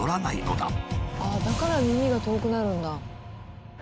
だから耳が遠くなるんだ。